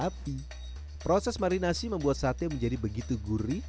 tapi proses marinasi membuat sate menjadi begitu gurih